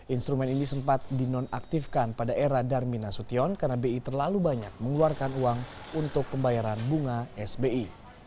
instrumen ini sempat dinonaktifkan pada era darmin nasution karena bi terlalu banyak mengeluarkan uang untuk pembayaran bunga sbi